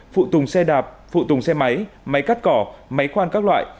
phụ tùng xe đạp phụ tùng xe máy máy cắt cỏ máy khoan các loại